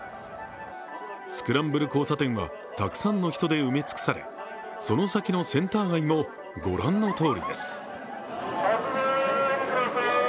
スクランブル交差点はたくさんの人で埋め尽くされその先のセンター街もご覧のとおりです。